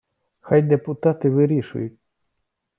Хай депутати вирішують.